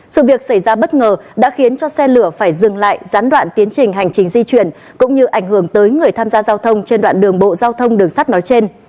sự việc xảy ra bất ngờ đã khiến cho xe lửa phải dừng lại gián đoạn tiến trình hành trình di chuyển cũng như ảnh hưởng tới người tham gia giao thông trên đoạn đường bộ giao thông đường sắt nói trên